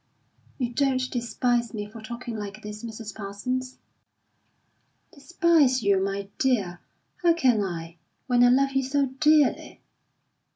"You don't despise me for talking like this, Mrs. Parsons?" "Despise you, my dear! How can I, when I love you so dearly?